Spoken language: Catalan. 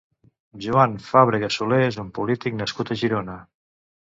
Joan Fàbrega Solé és un polític nascut a Girona.